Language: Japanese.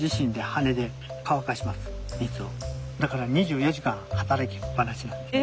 だから２４時間働きっぱなしなんです。